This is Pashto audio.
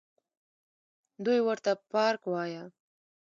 دوى ورته پارک وايه.